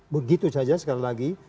begitu saja sekali lagi